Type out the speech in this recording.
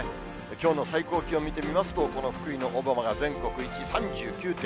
きょうの最高気温見てみますと、この福井の小浜が全国１位、３９．１度。